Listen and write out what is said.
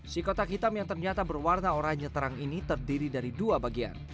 si kotak hitam yang ternyata berwarna oranye terang ini terdiri dari dua bagian